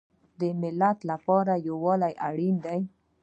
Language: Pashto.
د ملت لپاره یووالی اړین دی